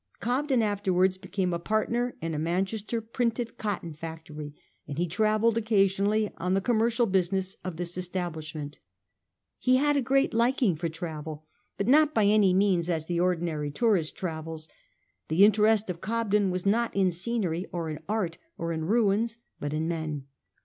Cobden afterwards became a partner in a. Manchester printed cotton factory ; and he travelled occasionally on the commercial business of this estab , lishment. He had a great liking for travel ; but not by any means as the ordinary tourist travels ; the in terest of Cobden was not in scenery, or in art, or in' ruins, but in men.